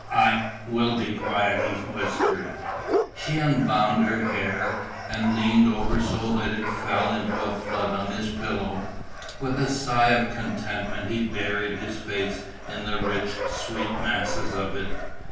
"I will be quiet," he whispered. She unbound her hair, and leaned over so that it fell in a flood on his pillow. With a sigh of contentment he buried his face in the rich, sweet masses of it.